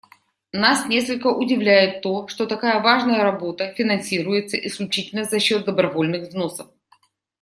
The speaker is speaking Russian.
Нас несколько удивляет то, что такая важная работа финансируется исключительно за счет добровольных взносов.